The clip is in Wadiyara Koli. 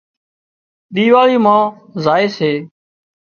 ۮِيواۯي مان زائي سي